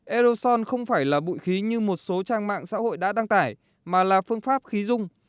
aerosol không phải là bụi khí như một số trang mạng xã hội đã đăng tải mà là phương pháp khí dung